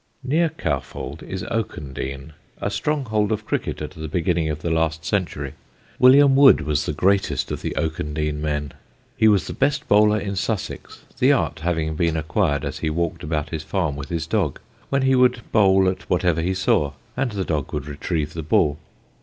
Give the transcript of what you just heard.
Near Cowfold is Oakendene, a stronghold of cricket at the beginning of the last century. William Wood was the greatest of the Oakendene men. He was the best bowler in Sussex, the art having been acquired as he walked about his farm with his dog, when he would bowl at whatever he saw and the dog would retrieve the ball.